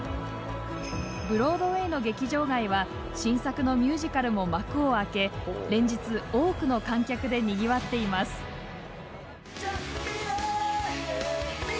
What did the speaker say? ブロードウェイの劇場街は新作のミュージカルも幕を開け連日、多くの観客でにぎわっています。